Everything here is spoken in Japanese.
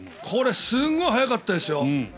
これすごい速かったですよ。